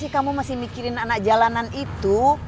kamu masih mikirin anak jalanan itu